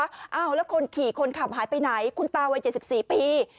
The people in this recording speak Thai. อ้าวแล้วคนขี่คนขับหายไปไหนคุณตาวัย๗๔ปี